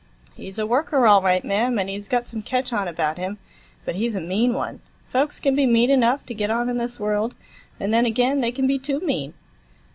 "He's a worker, all right, mam, and he's got some ketch on about him; but he's a mean one. Folks can be mean enough to get on in this world; and then, ag'in, they can be too mean."